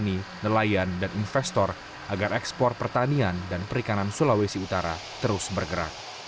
ini nelayan dan investor agar ekspor pertanian dan perikanan sulawesi utara terus bergerak